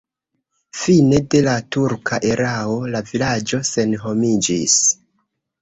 Fine de la turka erao la vilaĝo senhomiĝis.